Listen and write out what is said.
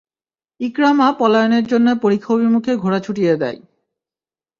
ইকরামা পলায়নের জন্য পরিখা অভিমুখে ঘোড়া ছুটিয়ে দেয়।